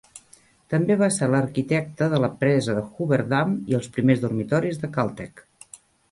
També va ser l'arquitecte de la presa de Hoover Dam i els primers dormitoris de Caltech.